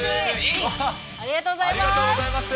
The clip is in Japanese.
ありがとうございます。